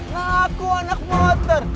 ngaku anak motor